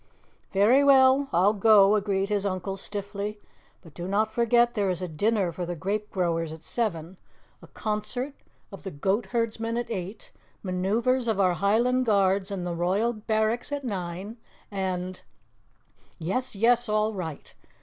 "Very well, I'll go," agreed his uncle stiffly. "But do not forget there is a dinner for the Grape Growers at seven, a concert of the Goat Herdsmen at eight, maneuvers of our Highland Guards in the Royal Barracks at nine and " "Yes, yes! All right!"